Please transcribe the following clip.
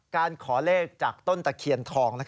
การขอเลขจากต้นตะเคียนทอง